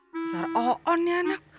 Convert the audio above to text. besar oon ya anak